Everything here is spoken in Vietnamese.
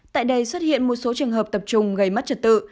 tại đây xuất hiện một số trường hợp tập trung gây mất trật tự